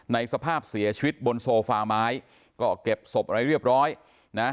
สภาพเสียชีวิตบนโซฟาไม้ก็เก็บศพอะไรเรียบร้อยนะ